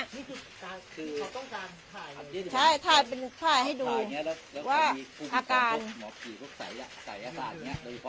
ใช่ถ้าเป็นถ้าให้ดู